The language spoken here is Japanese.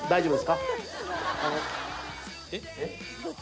えっ？